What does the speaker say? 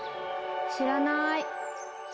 知らない。